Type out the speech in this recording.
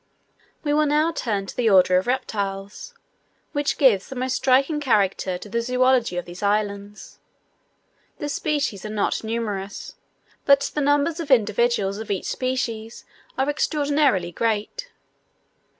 We will now turn to the order of reptiles, which gives the most striking character to the zoology of these islands. The species are not numerous, but the numbers of individuals of each species are extraordinarily great.